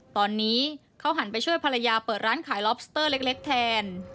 ตอนนี้เขาหันไปช่วยภรรยาเปิดร้านขายล็อบสเตอร์เล็กแทน